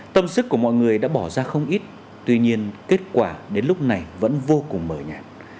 tâm sức của mọi người đã bỏ ra không ít tuy nhiên kết quả đến lúc này vẫn vô cùng mờ nhạt